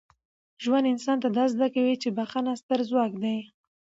ژوند انسان ته دا زده کوي چي بخښنه ستره ځواک ده.